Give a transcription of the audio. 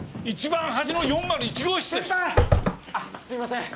あっすいません！